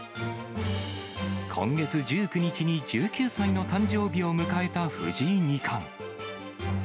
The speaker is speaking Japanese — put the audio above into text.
今月１９日に１９歳の誕生日を迎えた藤井二冠。